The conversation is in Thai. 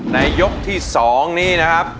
ในยกที่๒นี้นะครับ